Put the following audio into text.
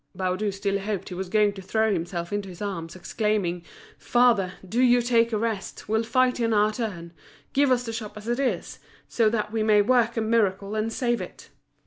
Baudu still hoped he was going to throw himself into his arms, exclaiming: "Father, do you take a rest, we'll fight in our turn; give us the shop as it is, so that we may work a miracle and save it!"